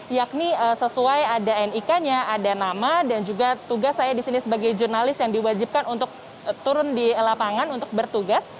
yakni sesuai ada nik nya ada nama dan juga tugas saya disini sebagai jurnalis yang diwajibkan untuk turun di lapangan untuk bertugas